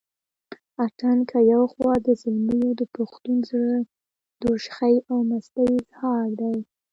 اتڼ که يو خوا د زلميو دپښتون زړه دشوخۍ او مستۍ اظهار دے